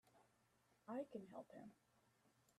I can help him!